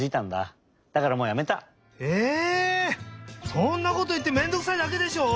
そんなこといってめんどくさいだけでしょ！？